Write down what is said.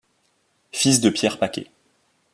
Fils de Pierre Paquet.